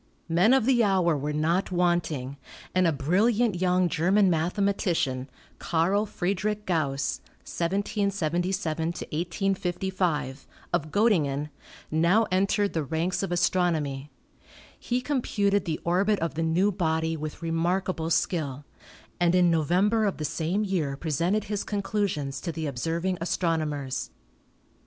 Men of the hour were not wanting, and a brilliant young German mathematician, Carl Friedrich Gauss (1777 1855), of Gottingen, now entered the ranks of astronomy. He com puted the orbit of the new body with remarkable skill, and in November of the same year presented his conclusions to the observing astronomers.